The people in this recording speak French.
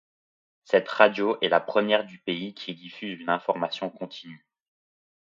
Cette radio est la première du pays qui diffuse une information continue.